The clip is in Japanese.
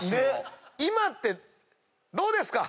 今ってどうですか？